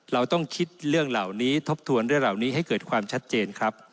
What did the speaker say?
เราต้องคิดเรื่องเหล่านี้ทบทวนเรื่องเหล่านี้ให้เกิดความชัดเจนครับ